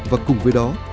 và cùng với đó